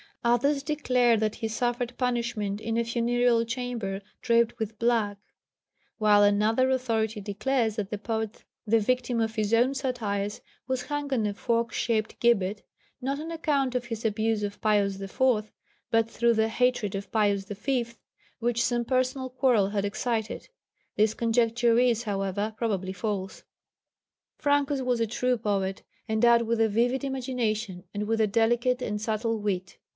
Others declare that he suffered punishment in a funereal chamber draped with black; while another authority declares that the poet, the victim of his own satires, was hung on a fork shaped gibbet, not on account of his abuse of Pius IV., but through the hatred of Pius V., which some personal quarrel had excited. This conjecture is, however, probably false. Francus was a true poet, endowed with a vivid imagination and with a delicate and subtle wit.